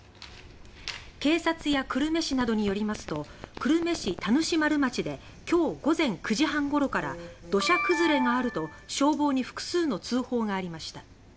警察や久留米市などによりますと久留米市田主丸町で今日９時半ごろから「土砂崩れがある」と消防に複数の通報がありました。